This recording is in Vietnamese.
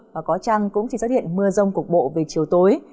và có chăng cũng chỉ xuất hiện mưa rông cục bộ về chiều tối